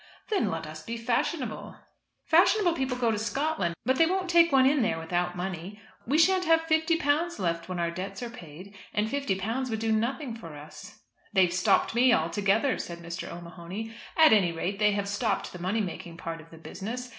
"Then let us be fashionable." "Fashionable people go to Scotland, but they won't take one in there without money. We shan't have £50 left when our debts are paid. And £50 would do nothing for us." "They've stopped me altogether," said Mr. O'Mahony. "At any rate they have stopped the money making part of the business.